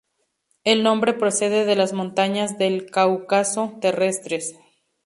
El nombre procede de las Montañas del Cáucaso terrestres.